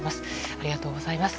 ありがとうございます。